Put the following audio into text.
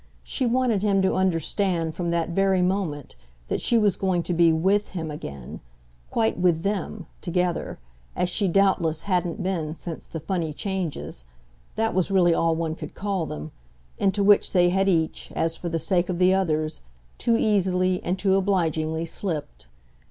She wanted him to understand from that very moment that she was going to be WITH him again, quite with them, together, as she doubtless hadn't been since the "funny" changes that was really all one could call them into which they had each, as for the sake of the others, too easily and too obligingly slipped.